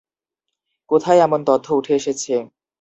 কোথায় এমন তথ্য উঠে এসেছে?